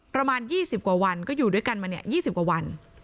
ประมาณ๒๐กว่าวันก็อยู่ด้วยกันมาเนี่ย๒๐กว่าวัน